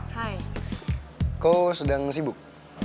kok lo sedang sibuk